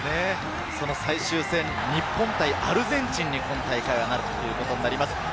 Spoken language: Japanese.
最終戦、日本対アルゼンチンに今大会はなるということになります。